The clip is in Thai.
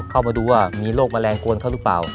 เข้ามาดูว่ามีโรคแมลงกวนเขาหรือเปล่า